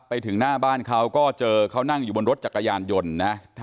ไปถึงหน้าบ้านเขาก็เจอเขานั่งอยู่บนรถจักรยานยนต์นะ